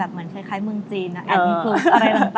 เหมือนคล้ายเมืองจีนแอดมิวอะไรต่าง